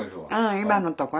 今のところ。